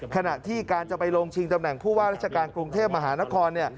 ขณะที่การจะไปลงชิงตำแหน่งผู้ว่าราชการกรุงเทพมหานคร